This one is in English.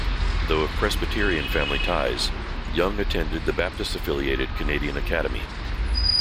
Though of Presbyterian family ties, Young attended the Baptist-affiliated Canadian Academy.